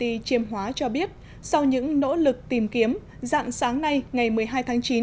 y chiêm hóa cho biết sau những nỗ lực tìm kiếm dạng sáng nay ngày một mươi hai tháng chín